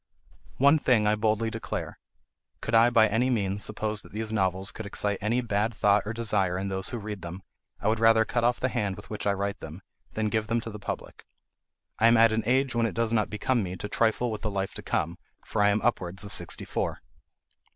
One thing I boldly declare: could I by any means suppose that these novels could excite any bad thought or desire in those who read them, I would rather cut off the hand with which I write them, than give them to the public. I am at an age when it does not become me to trifle with the life to come, for I am upwards of sixty four.